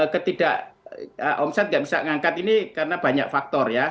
ketidak omset nggak bisa ngangkat ini karena banyak faktor ya